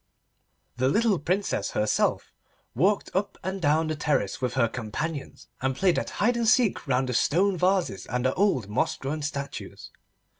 The little Princess herself walked up and down the terrace with her companions, and played at hide and seek round the stone vases and the old moss grown statues.